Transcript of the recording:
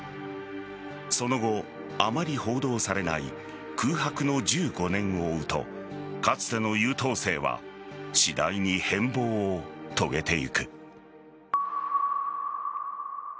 その後、あまり報道されない空白の１５年を追うとかつての優等生は次第に変貌を遂げてゆく。